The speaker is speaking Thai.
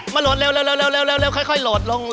โหลดเร็วค่อยโหลดลง